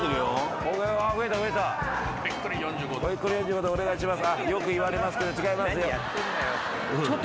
ぺっこり４５度お願いします。